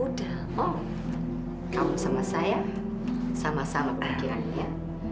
udah kamu sama saya sama sama ke kiraan ya